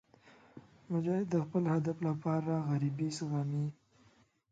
مجاهد د خپل هدف لپاره غریبۍ زغمي.